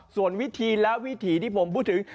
ส่วนวิถีที่ผมพูดถึง